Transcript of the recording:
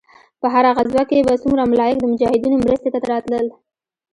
په هره غزوه کښې به څومره ملايک د مجاهدينو مرستې ته راتلل.